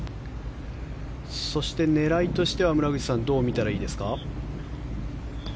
そして狙いとしては村口さんどう見たらいいですか。